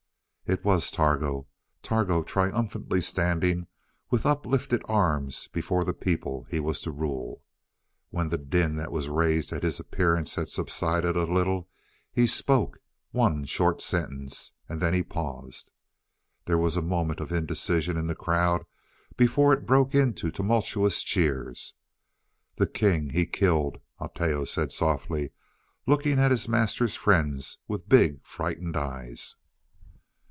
It was Targo Targo triumphantly standing with uplifted arms before the people he was to rule. When the din that was raised at his appearance had subsided a little he spoke; one short sentence, and then he paused. There was a moment of indecision in the crowd before it broke into tumultuous cheers. "The king he killed," Oteo said softly, looking at his master's friends with big, frightened eyes.